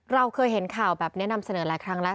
เราเคยเห็นข่าวแบบนี้นำเสนอหลายครั้งแล้ว